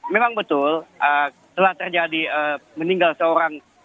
memang betul telah terjadi meninggal seorang